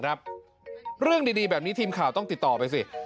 เรื่องดีแบบนี้ทีมข่าวต้องติดต่อไปสิ